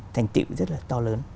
thành tựu rất là to lớn